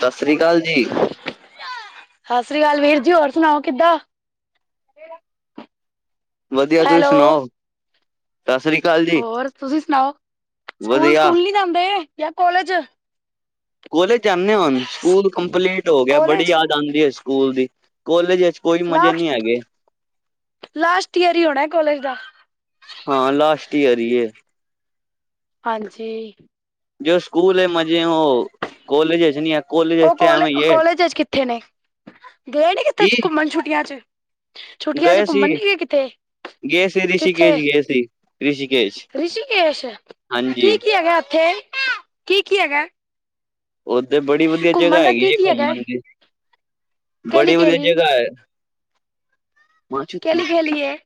ਸਤਿ ਸ੍ਰੀ ਅਕਾਲ ਜੀ। ਸਤਿ ਸ੍ਰੀ ਅਕਾਲ ਵੀਰ ਜੀ ਹੋਰ ਸੁਣਾਓ ਕਿੱਦਾਂ। ਵਧੀਆ ਤੁਸੀਂ ਹੈਲੋ ਸੁਣਾਓ ਸਤਿ ਸ਼ੀ ਅਕਾਲ ਜੀ। ਹੋਰ ਤੁਸੀਂ ਸੁਣਾਓ ਵਧੀਆ ਸਕੂਲ-ਸਕੂਲ ਨੀ ਜਾਂਦੇ ਜਾਂ ਕੋਲਜ ਕੋਲੇਜ ਜਾਂਦੇ ਹੋੁਣ ਸਕੂਲ ਕੰਪਲੀਟ ਹੋ ਗਿਆ ਬੜੀ ਕੋਲਜ ਯਾਦ ਆਂਦੀ ਹੈ ਸਕੂਲ ਦੀ ਕੋਲੇਜ ਵਿੱਚ ਕੋਈ ਮਜ਼ੇ ਨਹੀਂ ਲਾਸਟ ਹੈਗੇ -ਲਾਸਟ ਈਅਰ ਹੀ ਹੋਣਾ ਕੋਲਜ ਦਾ ਹਾਂ ਲਾਸਟ ਈਅਰ ਹੀ ਏ। ਹਾਂਜੀ ਜੋ ਸਕੂਲ ਹੈ ਮਜੇ ਉਹ ਕੋਲਜ 'ਚ ਨਹੀਂ ਆਂਦ ਉਹ ਕੋਲੇ ਕੋਲੇਜ 'ਚ ਕਿੱਥੇ ਨੇ ਗਏ ਨੀ ਕਿੱਥੇ ਕੀ ਘੁੰਮਣ ਛੁੱਟੀਆਂ 'ਚ ਛੁੱਟੀਆਂ 'ਚ ਗਏ ਸੀ ਘੁੰਮਣ ਨੀ ਗ ਕਿੱਥੇ ਗਏ ਸੀ ਕਿੱਥੇ ਰਿਸ਼ੀਕੇਸ਼ ਗਏ ਸੀ ਰਿਸ਼ੀਕੇਸ਼ ਰਿਸ਼ੀਕੇਸ਼ ਹਾਂਜੀ। ਕੀ-ਕੀ ਹੈਗਾ। ਉਧਰ ਬੜੀ ਵਧੀਆ ਘੁੰਮਣ ਜਗ੍ਹਾ ਦਾ ਹੈਗੀ ਕੀ ਹੈ ਕੀ ਹੈਗਾ ਘੁੰਮਣ ਦੀ। ਕੇਲੀ ਬੜੀ ਵਧੀਆ ਕੇਲੀ ਜੇਗਾਾਏ। ਕਲੀ ਵੀਏ।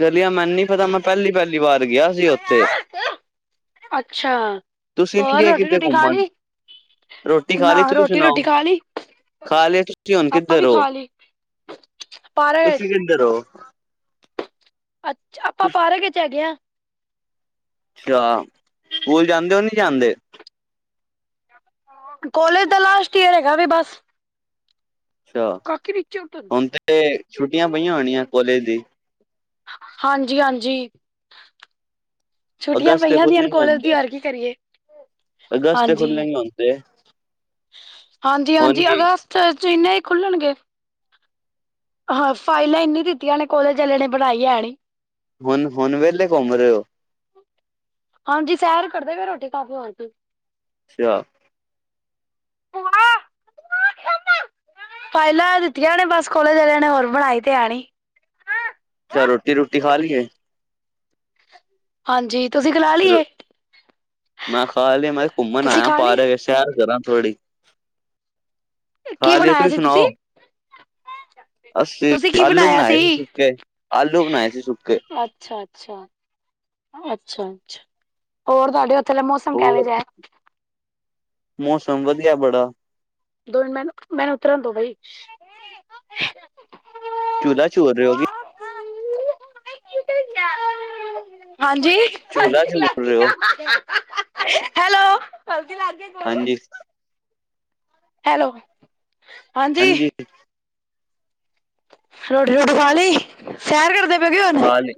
ਗਲੀਆਂ ਮੈਨੂੰ ਨ ਪਤਾ ਮੈਂ ਪਹਿਲੀ ਪਹਿਲੀ ਵਾਰ ਗਿਆ ਸੀ ਉੱਥੇ ਅੱਛਾ ਤੁਸੀਂ ਨੀ ਹੋਰ ਗਏ ਰੋਟੀ ਕਿਤੇ ਰੂਟੀ ਖਾ ਘੁੰਮਣ ਲਈ। ਰੋਟੀ ਖਾ ਨਾ ਲਈ ਤੁਸੀਂ ਰੋਟੀ ਸੁਣਾਓ ਰੋਟੀ ਖਾ ਲਈ। ਖਾ ਲਈ ਤੁਸੀਂ ਹੁਣ ਆਪਾਂ ਕਿੱਧਰ ਵੀ ਹੋ ਖਾ ਲਈ ਪਾਰਾ। ਰੋ ਅੱਛਾ ਆਪਾਂ ਪਾਰਕ ਚ ਹੈਗੇ ਹਾਂ। ਅੱਛਾ ਸਕੂਲ ਜਾਂਦੇ ਉਹ ਨਹੀਂ ਜਾਂਦੇ? ਕੋਲੇਜ ਦਾ ਲਾਸਟ ਈਅਰ ਹੈਗਾ ਵੀ ਬਸ। ਅੱਛਾ ਕਾਕੀ ਨੀਚੇ ਉਤਰ ਹੁਣ ਤੇ ਨੀਚੇ ਉਤਰ ਛੁੱਟੀਆਂ ਪਈਆਂ ਹੋਣੀਆਂ ਕੋਲੇਜ ਦੀ। ਹਾਂਜੀ -ਹਾਂਜੀ ਛੁੱਟੀਆਂ ਅਗਸਤ ਤੇ ਪਈਆਂ ਦੀਆਂ ਖੁੱਲਣਗੇ ਹੁਣ ਕੋਲੇਜ ਦੀ ਤੇ ਹੋਰ ਕੀ ਕਰੀਏ? ਅਗਸਤ ਤੇ ਹਾਂਜੀ, ਖੁੱਲਣਗੇ ਹੁਣ ਤੇ ਹਾਂਜੀ ਹੁਣ -ਹਾਂਜੀ ਕੀ ਅਗਸਤ ਇੰਨੇ ਹੀ ਖੁੱਲਣਗੇ। ਹਾਂ ਫਾਈਲਾਂ ਇਨੀ ਦਿੱਤੀਆਂ ਨੇ ਕੋਲੇਜ ਆਲਿਆਂ ਨੇ ਬਣਾਈ ਹੈਣੀ। ਹੁਣ -ਹੁਣ ਵਿਹਲੇ ਘੁੰਮ ਰਹੇ ਹੋਃ ਹਾਂਜੀ ਸੈਰ ਕ ਕਰਦੇ ਪਏ ਰੋਟੀ ਖਾਕੇ ਹੋਰ ਕੀ? ਅੱਛਾ, ਪਾਈਲਾਂ ਦਿੱਤੀਆਂ ਨੇ ਬਸ ਕੋੋਲੇਜ ਆਲਿਆਂ ਨੇ ਹੋਰ ਬਣਾਈ ਤਾ ਹੈ ਨਹੀਂ। ਅੱਛਾ ਰੋਟੀ ਰੂਟੀ ਖਾ ਲਈ ਕੇ? ਹਾਂਜੀ ਤੁਸੀਂ ਖਲਾ ਦੀ? ਮੈਂ ਖਾਲ ਮੈਂ ਘੁੰਮਣ ਤੁਸੀਂ ਆਇਆ ਖਾ ਲਈ ਪਾਰਕ ਚ। ਸੈਰ ਕਰਾ ਥੋੜੀ ਕੀ ਜੀ ਬਣਾਇਆ ਤੁਸੀਂ ਸੀ ਸੁਣਾਓ? ਅੱਸੀ ਤੁਸੀਂ ਕੀ ਆਲੂ ਬਣਾਇਆ ਬਣਾਏ ਸੀ ਸੁੱਕੇ ਆਲੂ ਬਣਾਏ ਸੀ ਸੁੱਕੇ। ਅੱਛਾ, ਅ ਅੱਛਾ -ਅੱਛਾ ਹੋਰ ਤੁਹਾਡੇ! ਉੱਥੇ ਦਾ ਮੌਸਮ ਹੋਰ ਕਿਵੇਂ ਜਿਹਾ ਹੈ? ਮੌਸਮ ਵਧੀਆ ਬੜਾ। ਦੋ ਮੈ ਮੈਨੂੰ ਉਤਰਾਂ ਦੋ ਬਈ। ਚੁਲ੍ਹਾ ਚੋੂਲ ਰਹੇ ਹੋਗੇ ਹਾਂਜੀ! ਝੂਲਾ ਝੂਲ ਰਹੇ ੳ? ਹੈਲੋ ਹਲਜੀ ਲਾ ਗ ਹਾਂਜੀ ਹੈਲੋ ਹਾਂਜੀ, ਰੋਟੀ ਰੋਟੀ ਖ ਲਈ ਸੈਰ ਕਰਦੇ ਪਏ ਗਏ ਹੁਣ? ਖਾਲ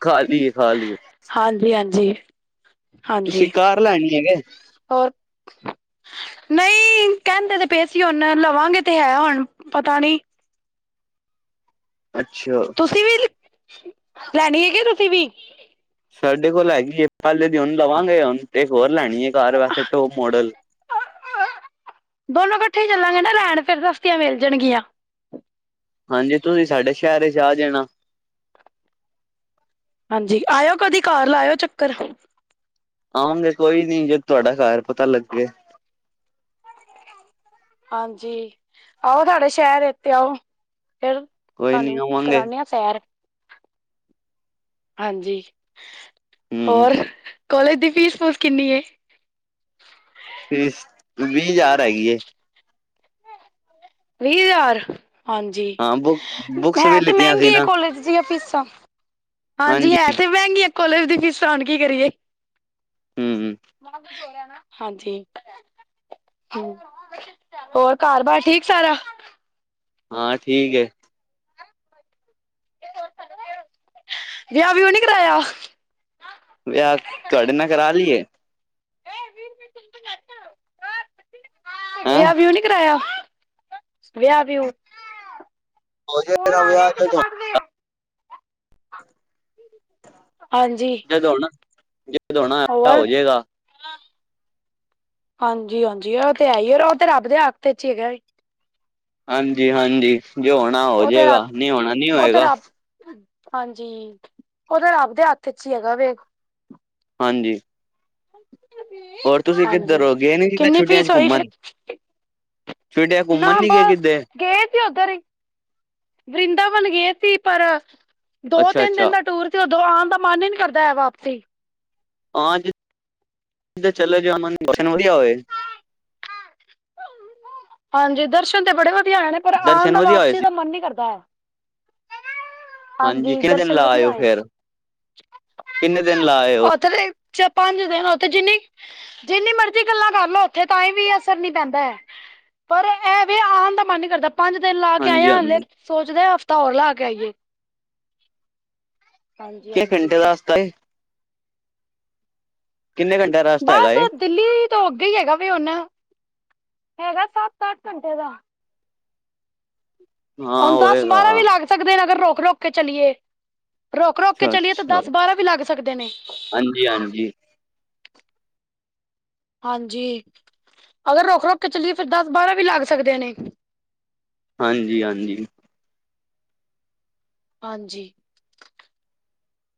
ਖਾਲੀਏ ਖ ਲਈ ਏ। ਹਾਂਜੀ -ਹਾਂਜੀ ਤੁਸੀਂ ਹਾਂਜੀ। ਕਾਰ ਲੈਣੀ ਆ ਕੇ? ਹੋਰ? ਨਹੀਂ ਕਹਿੰਦੇ ਤੇ ਪਏਸੀ ਹੁਣ ਲਵਾਂਗੇ ਤੇ ਹੈ ਹੁਣ ਪਤਾ ਨਹੀਂ। ਅੱਛਾ ਤੁਸੀਂ ਵੀ ਲੈਣੀ ਹੈਗੀ ਤੁਸੀਂ ਵੀ? ਸਾਡੇ ਕੋਲ ਹੈਗੀ ਏ ਪਹਿਲੇੇ ਦੀ ਹੁਨ ਲਵਾਂਗੇ ਹੁਣ ਤੇ ਹੋਰ ਲੈਣੀ ਹੈ ਕਾਰ ਵੈਸੇ ਟੋਪ ਮੋਡਲ। ਦੋਨੋ ਇਕੱਠੇ ਹੀ ਚੱਲਾਂਗੇ ਨਾ ਲੈਣ ਫਿਰ ਸਸਤੀਆਂ ਮਿਲ ਜਾਣਗੀਆਂ। ਹਾਂਜੀ ਤੁਸੀਂ ਸਾਡੇ ਸ਼ਹਿਰ ਚ ਆ ਜਾਣਾ। ਹਾਂਜੀ ਆਇਓ ਕਦੀ ਘਰ ਲਾਇੳ ਚੱਕਰ। ਆਉਗੇ ਕੋਈ ਨੀ ਜੇ ਤੁਹਾਡਾ ਘਰ ਪਤਾ ਲੱਗੇ। ਹਾਂਜੀ ਆਓ ਤੁਡੇ ਸ਼ਹਿਰ ਇੱਥੇ ਆਓ ਫਿਰ। ਕੋਈ ਨੀ ਤੁਾਨੂੰ ਆਵਾਂਗੇ ਕਰਾਉਦੇ ਹਾਂ ਸੈਰ। ਹਾਂਜੀ ਹਮ ਹੋਰ ਕੋਲਜ ਦੀ ਫੀਸ ਫੂਸ ਕਿੰਨੀ ਏ? ਫੀਸ ਵੀਹ ਹਜ਼ਾਰ ਹੈਗੀ ਏ। ਵੀਹ ਹਜ਼ਾਰ ਹਾਂਜੀ ਹਾਂ ਬੁੱਕ ਬੁੱਕਸ ਵੀ ਹੈ ਤੇ ਲਿੱਤੀਆਂ ਮਹਿੰਗੀ ਸੀ ਏ ਨਾ ਕੋਲੇਜ ਦੀਆਂ ਫੀਸਾ। ਹਾਂਜੀ ਹੈ ਤੇ ਮਹਿੰਗੀਆਂ ਕੋਲਜ ਦੀ ਫੀਸਾ ਹੁਣ ਕੀ ਕਰੀਏ। ਹਮ-ਹਮ ਹਾਂਜੀ ਹੋਰ ਘਰ ਬਾਰ ਠੀਕ ਸਾਰਾ। ਹਾਂ ਠੀਕ ਹੈ। ਵਿਆਹ ਵੀਓ ਨੀ ਕਰਾਇਆ। ਵਿਆਹ ਤੁਹਾਡੇ ਨਾਲ ਕਰਾ ਲਈਏ। ਹੈਂ ਵਿਆਹ ਵਿਊ ਨੀ ਕਰਾਇਆ। ਵਿਆਹ ਵਿਊ, ਹੋ ਫੋਨ ਜਾਏਗਾ ਆ ਰਿਹਾ ਵਿਆਹ ਪਿੱਛੋਂ ਜਦੋਂ ਕੱਟ ਦੇ। ਹਾਂਜੀ [unintelligible] ਵਿਆਹ ਹੋਰ ਹੋ ਜਾਏਗਾ ਹਾਂਜੀ-ਹਾਂਜੀ ਉਹ ਤੇ ਹੈ ਹੀ ਉਹ ਤੇ ਰੱਬ ਦੇ ਹਾਥ ਇਚ ਹੀ ਹੈਗਾ। ਹਾਂਜੀ-ਹਾਂਜੀ ਜੇ ਹੋਣਾ ਉਹ ਤੇ ਰੱਬ ਹੋਜੇਗਾ ਨੀ ਹੋਣਾ ਨੀ ਉਹ ਤੇ ਹੋਏਗਾ। ਰੱਬ ਹਾਂਜੀ ਉਹਤੇ ਰੱਬ ਦੇ ਹੱਥ ਚ ਹੀ ਹੈਗਾ ਵੇ। ਹਾਂਜੀ ਹੋਰ ਤੁਸੀਂ ਕਿੱਧਰ ਹਾਂਜੀ ਹੋ ਗਏ ਨੀ ਕਿੱਥੇ ਕਿੰਨੀ ਛੁੱਟੀਆਂ ਚ ਫੀਸ ਹੋਈ ਘੁੰਮਣ। ਫਿਰ ਛੁੱਟੀਆਂ ਚ ਨਾ ਘੁੰਮਣ ਨਹੀਂ ਗਏ ਬਸ ਕਿੱਥੇ। ਗਏ ਸੀ ਉੱਧਰ ਹੀ ਵਰਿੰਦਾਵਨ ਗਏ ਸੀ ਪਰ ਦੋ ਅੱਛਾ ਤਿੰਨ ਅੱਛਾ ਦਿਨ ਦਾ ਟੂਰ ਤੇ ਉਧਰੋਂ ਆਉਣ ਦਾ ਮਨ ਹੀ ਨੀ ਕਰਦਾ ਹੈ ਵਾਪਸੀ। ਹਾਂਜ ਕਿਧਰੇ ਚਲੇ ਜਾਓ ਮਨ [unintelligible] ਹਾਂਜੀ ਦਰਸ਼ਨ ਤੇ ਬੜੇ ਵਧੀਆ ਹੋਏ ਨੇ ਪਰ ਆਉਣ ਦਰਸ਼ਨ ਦਾ ਵਧੀਆ ਹੋਏ ਵਾਪਸੀ ਸੀ ਦਾ ਮਨ ਨੀ ਕਰਦਾ ਹੈ। ਹਾਂਜੀ ਕਿੰਨੇ ਦਿਨ ਦਰਸ਼ਨ ਲਾ ਆਏ ਵਧੀਆ ਹੋ ਹੋਏ ਫੇਰ ਸੀ ਕਿੰਨੇ ਦਿਨ ਲਾ ਆਏ ਹੋ ਓਥੇ ਤੇ ਚ ਪੰਜ ਦਿਨ ਉਥੇ ਜਿੰਨੀੇ ਜਿੰਨੀ ਮਰਜ਼ੀ ਗੱਲਾਂ ਕਰਲੋ ਉੱਥੇ ਤਾਂ ਹੀ ਵੀ ਅਸਰ ਨੀ ਪੈਂਦਾ ਹੈ। ਪਰ ਇਹ ਵੀ ਆਉਣ ਦਾ ਮਨ ਨੀ ਕਰਦਾ। ਪੰਜ ਦਿਨ ਲਾ ਕੇ ਹਾਂਜੀ ਆਏਆ ਹਲੇ ਹਾਂਜੀ ਸੋਚਦੇ ਆ ਹਫ਼ਤਾ ਹੋਰ ਲਾ ਕੇ ਆਈਏ। ਕਿੰਨੇ ਹਾਂਜੀ-ਹਾਂਜੀ ਘੰਟੇ ਦਾ ਰਸਤਾ ਏ ਕਿੰਨੇ ਘੰਟੇ ਦਾ ਰਸਤਾ ਹੈਗਾ ਬਸ ਏ ਦਿੱਲੀ ਤੋਂ ਅੱਗੇ ਹੀ ਹੈਗਾ ਵੇ ਹੁਣ ਹੈਗਾ ਸੱਤ-ਅੱਠ ਘੰਟੇ ਦਾ। ਹਾਂ ਹੁਣ ਦਸ ਹੋਏਗਾ ਬਾਰਾਂ ਵੀ ਲੱਗ ਸਕਦੇ ਨੇ ਅਗਰ ਰੋਕ-ਰੋਕ ਕੇ ਚਲੀਏ ਰੋਕ-ਰੋਕ ਕੇ ਅੱਛਾ ਚਲੀਏ ਤਾ ਦਸ ਬਾਰਾ ਵੀ ਲੱਗ ਸਕਦੇ ਨੇ। ਹਾਂਜੀ-ਹਾਂਜੀ ਹਾਂਜੀ ਅਗਰ ਰੁਕ-ਰੁਕ ਕੇ ਚਲੀਏ ਫਿਰ ਦਸ ਬਾਰਾ ਵੀ ਲੱਗ ਸਕਦੇ ਨੇ। ਹਾਂਜੀ-ਹਾਂਜੀ ਹਾਂਜੀ